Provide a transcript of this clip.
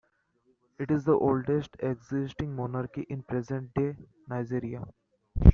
It is the oldest existing monarchy in present-day Nigeria.